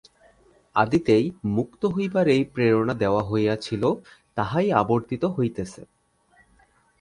আদিতেই মুক্ত হইবার এই প্রেরণা দেওয়া হইয়াছিল, তাহাই আবর্তিত হইতেছে।